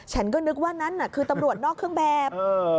ฉันก็นึกว่านั่นน่ะคือตำรวจนอกเครื่องแบบ